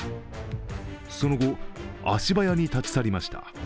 その後、足早に立ち去りました。